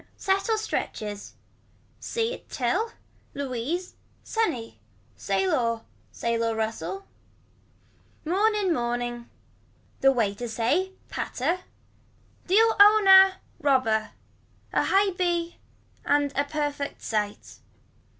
Settle stretches. See at till. Louise. Sunny. Sail or. Sail or rustle. Mourn in morning. The way to say. Patter. Deal own a. Robber. A high b and a perfect sight.